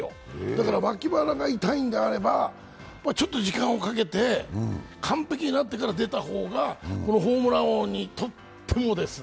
だから脇腹が痛いんだったらちょっと時間をかけて完璧になってから出た方がホームラン王にとっても。